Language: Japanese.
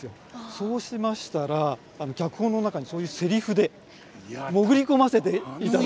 そうしましたら脚本の中にそういうセリフで潜り込ませていただいてですね。